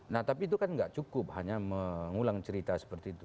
nah tapi itu kan nggak cukup hanya mengulang cerita seperti itu